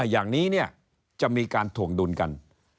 อย่างนี้เนี่ยจะมีการถ่วงดูนกัน